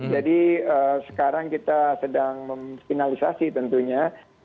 jadi sekarang kita sedang memfinalisasi tentunya